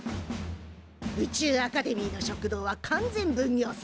宇宙アカデミーの食堂は完全分業制。